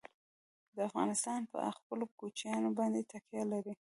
افغانستان په خپلو کوچیانو باندې تکیه لري.